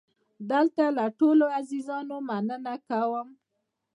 دلته له ټولو عزیزانو مننه کوم.